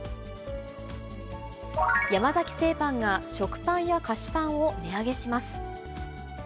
山崎製パンが、食パンや菓子パンを値上げします。